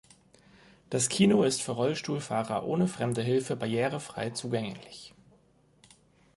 Das Kino ist für Rollstuhlfahrer ohne fremde Hilfe barrierefrei zugänglich.